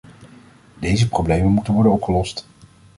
Deze problemen moeten worden opgelost.